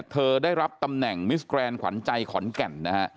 เธอได้รับตำแหน่งมิสแกรนขวัญใจขอนแก่น